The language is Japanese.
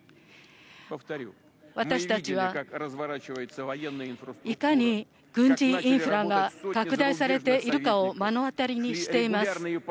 私たちはいかに軍事インフラが拡大されているかを目の当たりにしています。